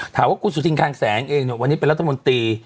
ถามว่าคุณสุธินคังแสงเองเนี่ยวันนี้เป็นรัฐมนตรี